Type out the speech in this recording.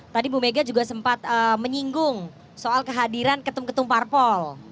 tadi bu mega juga sempat menyinggung soal kehadiran ketum ketum parpol